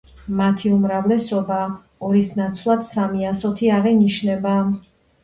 მათი უმრავლესობა ორის ნაცვლად სამი ასოთი აღინიშნება.